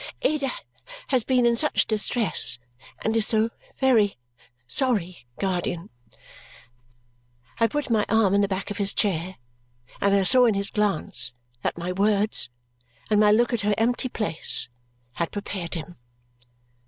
Ada has been in such distress, and is so very sorry, guardian." I put my arm on the back of his chair, and I saw in his glance that my words and my look at her empty place had prepared him.